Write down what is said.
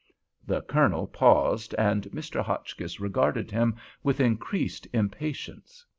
The Colonel paused, and Mr. Hotchkiss regarded him with increased impatience.